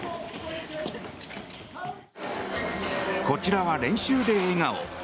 こちらは練習で笑顔。